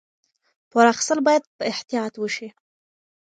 پور اخیستل باید په احتیاط وشي.